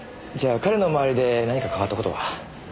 じゃあ彼の周りで何か変わった事は？